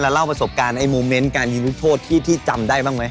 เล่าประสบการณ์ไอ้โมเมนต์การยิงลูกโทษที่จำได้บ้างไหม